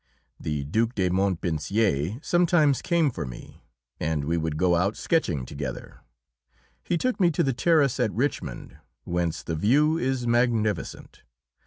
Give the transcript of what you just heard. The Duke de Montpensier sometimes came for me, and we would go out sketching together. He took me to the terrace at Richmond, whence the view is magnificent.